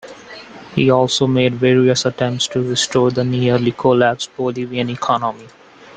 He also made various attempts to restore the nearly collapsed Bolivian economy.